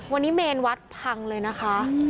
วันนี้เมนวัดพังเลยนะคะ